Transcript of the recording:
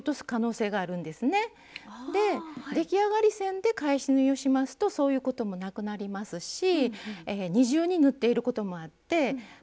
出来上がり線で返し縫いをしますとそういうこともなくなりますし二重に縫っていることもあってバッグの強度がアップします。